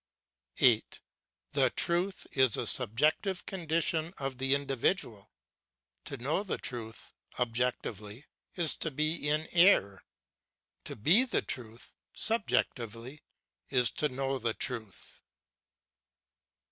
8. The Truth is a subjective condition of the individual; to know the Truth (objectively) is to be in error; to be the Truth (subjectively) is to know the Truth.